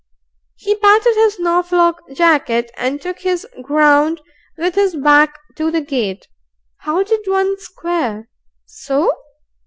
He patted his Norfolk jacket and took his ground with his back to the gate. How did one square? So?